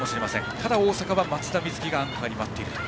ただ大阪は松田瑞生がアンカーに待っていると。